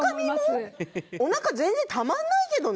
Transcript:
おなか全然たまんないけどね。